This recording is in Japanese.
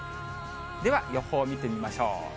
では予報を見てみましょう。